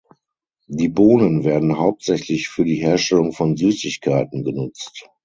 Die Bohnen werden hauptsächlich für die Herstellung von Süßigkeiten genutzt.